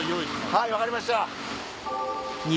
はい分かりました。